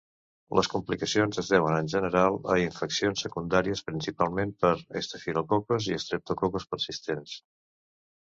Les complicacions es deuen en general a infeccions secundàries, principalment per estafilococs i estreptococs preexistents.